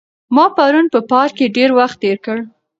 ما پرون په پارک کې ډېر وخت تېر کړ.